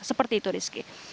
seperti itu rizky